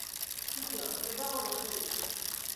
Kito, ez dago besterik.